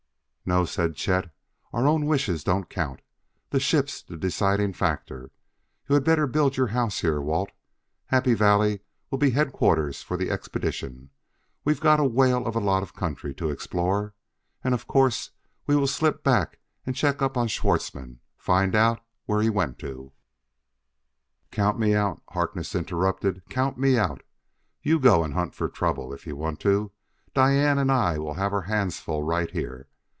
"No," said Chet, "our own wishes don't count; the ship's the deciding factor. You had better build your house here, Walt. Happy Valley will be headquarters for the expedition; we've got a whale of a lot of country to explore. And, of course, we will slip back and check up on Schwartzmann; find out where he went to " "Count me out;" Harkness interrupted; "count me out. You go and hunt trouble if you want to; Diane and I will have our hands full right here.